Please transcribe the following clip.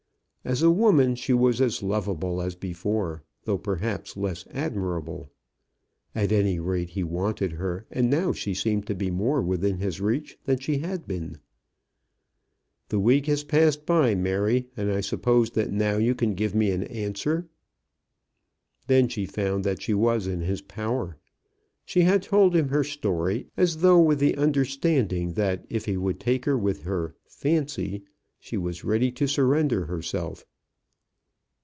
As a woman she was as lovable as before, though perhaps less admirable. At any rate he wanted her, and now she seemed to be more within his reach than she had been. "The week has passed by, Mary, and I suppose that now you can give me an answer." Then she found that she was in his power. She had told him her story, as though with the understanding that if he would take her with her "fancy," she was ready to surrender herself.